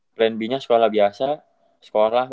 trend b nya sekolah biasa sekolah